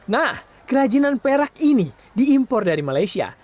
nah kerajinan perak ini diimpor dari malaysia